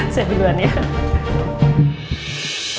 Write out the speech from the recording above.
saya duluan ya